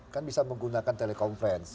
kan bisa menggunakan telekonferensi